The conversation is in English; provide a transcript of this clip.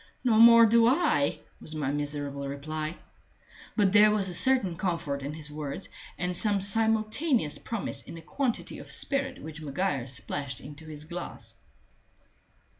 "No more do I," was my miserable reply. But there was a certain comfort in his words, and some simultaneous promise in the quantity of spirit which Maguire splashed into his glass.